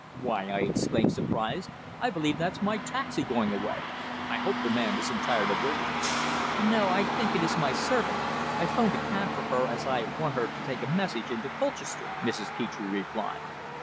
"Why!" I exclaimed, surprised. "I believe that's my taxi going away. I hope the man isn't tired of waiting!" "No. I think it is my servant. I 'phoned for a cab for her, as I want her to take a message into Colchester," Mrs. Petre replied.